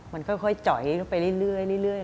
มันค่อยจอยลงไปเรื่อย